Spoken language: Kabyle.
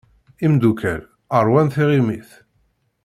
Imddukal rwan tiɣimit.